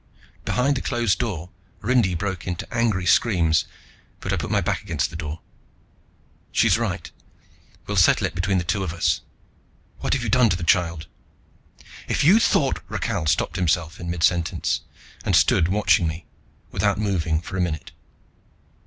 Behind the closed door Rindy broke into angry screams, but I put my back against the door. "She's right. We'll settle it between the two of us. What have you done to that child?" "If you thought " Rakhal stopped himself in midsentence and stood watching me without moving for a minute.